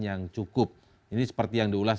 yang cukup ini seperti yang diulas